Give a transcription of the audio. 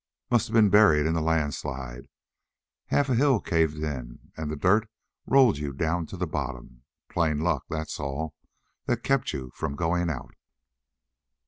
"Must have been buried in the landslide. Half a hill caved in, and the dirt rolled you down to the bottom. Plain luck, that's all, that kept you from going out."